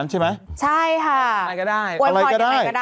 ใช่ค่ะ